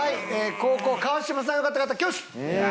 後攻川島さんが良かった方挙手！